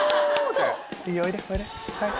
おいでおいで！